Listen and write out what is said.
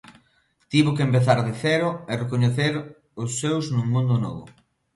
Tivo que empezar de cero e recoñecer os seus nun mundo novo.